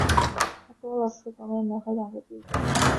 她多了四个妹妹和两个弟弟